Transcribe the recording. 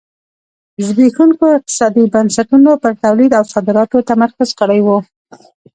زبېښونکو اقتصادي بنسټونو پر تولید او صادراتو تمرکز کړی و.